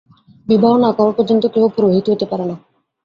বিবাহ না করা পর্যন্ত কেহ পুরোহিত হইতে পারে না।